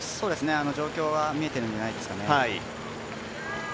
状況は見えているんじゃないでしょうかね。